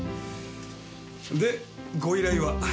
でご依頼は？